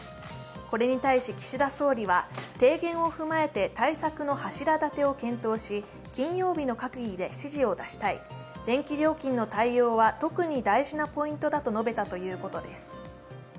これに対して岸田総理は提言を踏まえて対策の柱立てを検討し金曜日の閣議で指示を出したい、電気料金の対応は特に大事なポイントだと述べたということです。